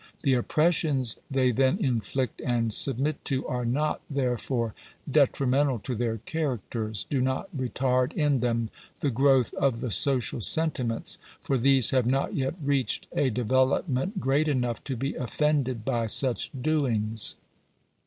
The oppressions they then inflict and submit to, are not, therefore, detrimental to their characters — do not retard in them the growth of the social sentiments, for these have not yet reached a development great enough to be offended by such doings.